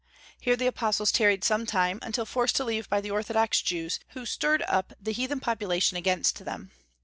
Here the apostles tarried some time, until forced to leave by the orthodox Jews, who stirred up the heathen population against them.